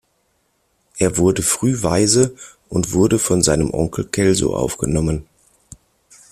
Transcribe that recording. Er wurde früh Waise und wurde von seinem Onkel Celso aufgenommen.